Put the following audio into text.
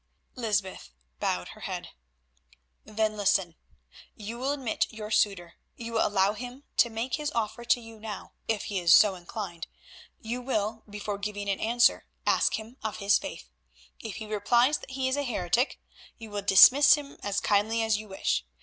Lysbeth bowed her head. "Then listen. You will admit your suitor; you will allow him to make his offer to you now—if he is so inclined; you will, before giving any answer, ask him of his faith. If he replies that he is a heretic, you will dismiss him as kindly as you wish.